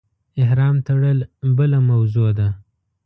احرام تړل بله موضوع ده.